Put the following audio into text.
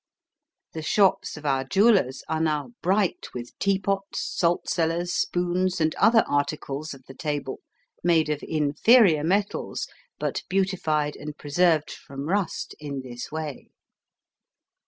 The shops of our jewellers are now bright with teapots, salt cellars, spoons, and other articles of the table made of inferior metals, but beautified and preserved from rust in this way.